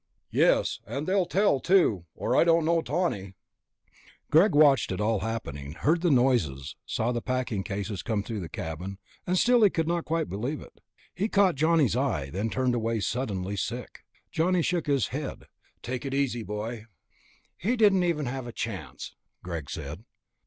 "Yes, and they'll tell, too, or I don't know Tawney." Greg watched it all happening, heard the noises, saw the packing cases come through the cabin, and still he could not quite believe it. He caught Johnny's eye, then turned away, suddenly sick. Johnny shook his head. "Take it easy, boy." "He didn't even have a chance," Greg said.